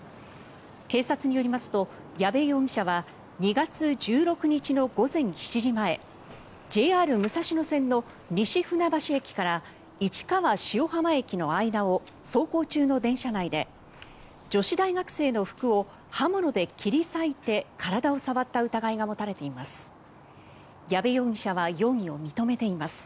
警察によりますと矢部容疑者は２月１６日の午前７時前ＪＲ武蔵野線の西船橋駅から市川塩浜駅の間を走行中の電車内で女子大学生の服を刃物で切り裂いて体を触った疑いが持たれています。